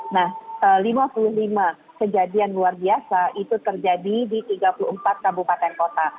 nah lima puluh lima kejadian luar biasa itu terjadi di tiga puluh empat kabupaten kota